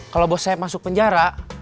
kalo bos saeb masuk penjara